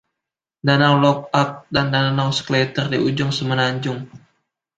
Danau Lookout, dan Danau Schlatter di ujung semenanjung.